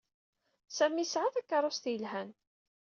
Sami yesɛa takeṛṛust yelhan.